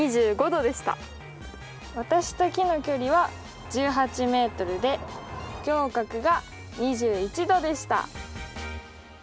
私と木の距離は１８ｍで仰角が２１°でした。